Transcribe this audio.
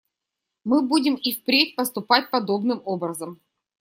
Мы будем и впредь поступать подобным образом.